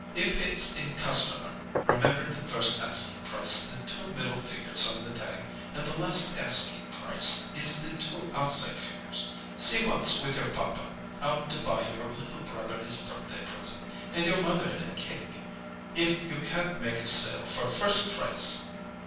If it's a customer, remember the first asking price is the two middle figures on the tag, and the last asking price is the two outside figures. See once, with your papa out to buy your little brother his birthday present, and your mother in a cake, if you can't make a sale for first price."